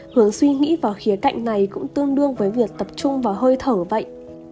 hướng suy nghĩ vào khía cạnh này cũng tương đương với việc tập trung vào hơi thở vậy